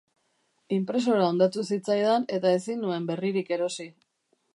Inpresora hondatu zitzaidan eta ezin nuen berririk erosi.